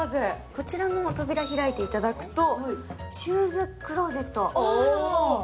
こちらの扉開いていただくと、シューズクローゼット。